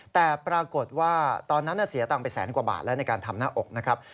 แต่ปรากฏว่าตอนนั้นเสียตังค์ไปแสนกว่าบาทแล้วในการทำหน้าอกนะครับ